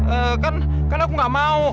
eee kan aku gak mau